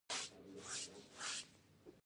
اوښ بيا د خپل څښتن څخه د چای غوښتنه وکړه.